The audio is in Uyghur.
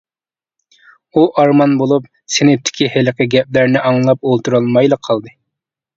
ئۇ ئارمان بولۇپ، سىنىپتىكى ھېلىقى گەپلەرنى ئاڭلاپ ئولتۇرالمايلا قالدى.